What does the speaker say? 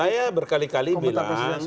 saya berkali kali bilang